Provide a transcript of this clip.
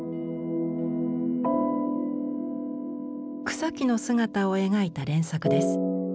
草木の姿を描いた連作です。